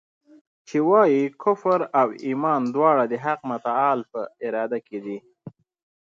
چي وايي کفر او ایمان دواړه د حق متعال په اراده کي دي.